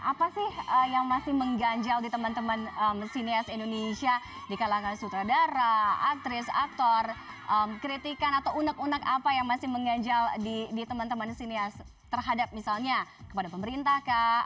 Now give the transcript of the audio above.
apa sih yang masih mengganjal di teman teman sinias indonesia di kalangan sutradara aktris aktor kritikan atau unek unek apa yang masih mengganjal di teman teman sinias terhadap misalnya kepada pemerintah kah